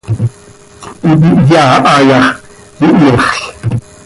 Hipi hyaa ha yax, ihmexl.